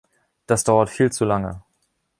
Das dauert viel zu lange.